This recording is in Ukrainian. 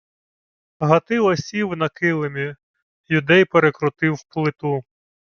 Гатило сів на килимі. Юдей перекрутив плиту: